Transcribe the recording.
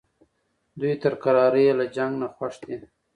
دوی تر کرارۍ له جنګ نه خوښ دي.